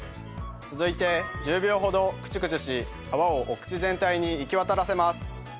続いて１０秒ほどクチュクチュし泡をお口全体に行きわたらせます。